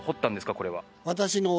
これは。